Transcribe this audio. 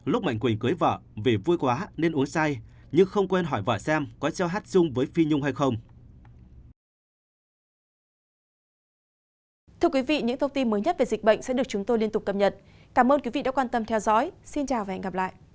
lúc mạnh quỳnh cưới vợ vì vui quá nên uống say nhưng không quên hỏi vợ xem có cho hát chung với phi nhung hay không